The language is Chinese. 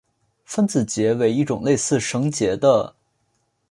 分子结为一种类似绳结的。